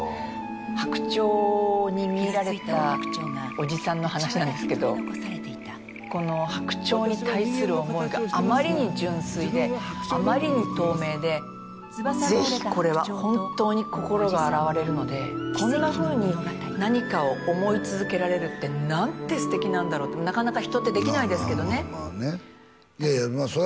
白鳥に魅入られたおじさんの話なんですけどこの白鳥に対する思いがあまりに純粋であまりに透明でぜひこれは本当に心が洗われるのでこんなふうに何かを思い続けられるって何て素敵なんだろうってなかなか人ってできないですけどまあまあねっいやいやそら